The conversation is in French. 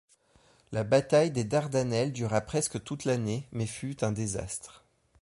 La bataille des Dardanelles dura presque toute l'année, mais fut un désastre.